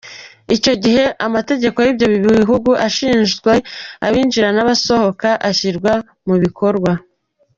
Icyo gihe amategeko y’ibyo bihugu ashinzwe abinjira n’abasohoka ashyirwa mu bikorwa.